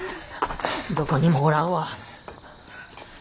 どこにもおらんわ。